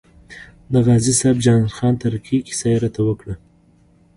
د غازي صاحب جان خان تره کې کیسه یې راته وکړه.